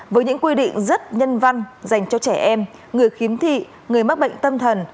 với những quy định rất nhân văn dành cho trẻ em người khiếm thị người mắc bệnh tâm thần